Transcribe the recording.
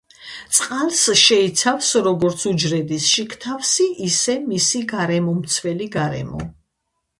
წყალს შეიცავს, როგორც უჯრედის შიგთავსი ისე მისი გარემომცველი გარემო.